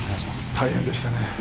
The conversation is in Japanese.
大変でしたね